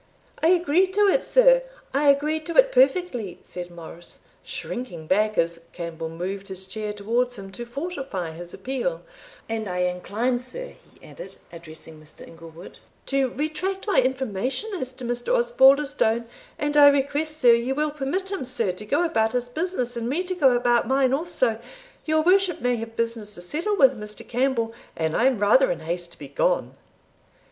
"I agree to it, sir I agree to it perfectly," said Morris, shrinking back as Campbell moved his chair towards him to fortify his appeal "And I incline, sir," he added, addressing Mr. Inglewood, "to retract my information as to Mr. Osbaldistone; and I request, sir, you will permit him, sir, to go about his business, and me to go about mine also; your worship may have business to settle with Mr. Campbell, and I am rather in haste to be gone."